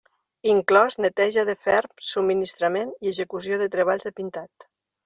Inclòs neteja de ferm, subministrament i execució de treballs de pintat.